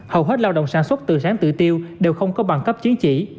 hầu hết lao động sản xuất từ sáng tự tiêu đều không có bằng cấp chứng chỉ